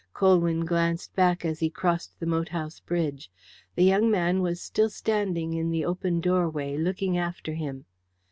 Colwyn glanced back as he crossed the moat house bridge. The young man was still standing in the open doorway, looking after him.